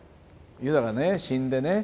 ユダがね死んでね